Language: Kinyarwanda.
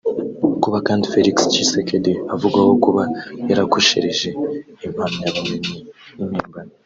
Kuba kandi Félix Tshisekedi avugwaho kuba yarakoresheje impamyabumenyi y’impimbano